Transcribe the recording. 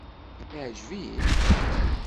Iɛǧeb-it?